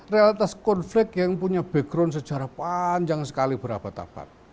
realitas konflik yang punya background sejarah panjang sekali berabad abad